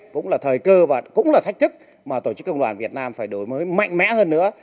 cũng là thời cơ và cũng là thách thức mà tổ chức công đoàn việt nam phải đổi mới mạnh mẽ hơn nữa